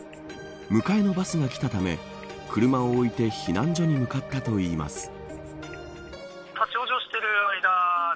迎えのバスが来たため車を置いて避難所に向かったといいます。